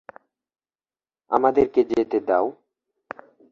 আমাদেরকে যেতে দাও!